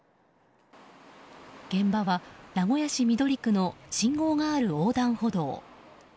現場は名古屋市緑区の信号がある横断歩道。